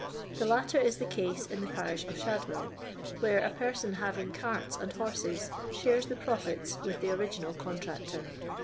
The latter is the case in the parish of Shadwell, where a person having carts and horses shares the profits with the original contractor.